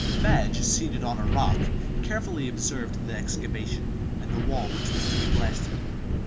Madge, seated on a rock, carefully observed the excavation, and the wall which was to be blasted.